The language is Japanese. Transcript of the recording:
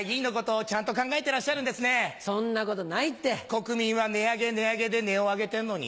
国民は値上げ値上げで音を上げてんのに。